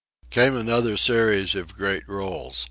Came another series of great rolls.